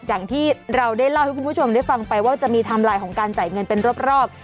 อย่างที่เราได้เล่าให้คุณผู้ชมได้ฟังไปว่าจะมีไทม์ไลน์ของการจ่ายเงินเป็นรอบ